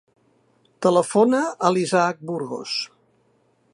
Telefona a l'Isaac Burgos.